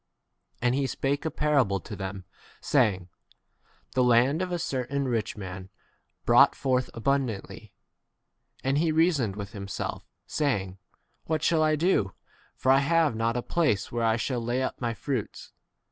And he spake a parable to them, saying, The land of a certain rich man ^ brought forth abundantly. And he reasoned within himself, say ing, What shall I do ? for I have not [a place] where I shall lay up w my fruits.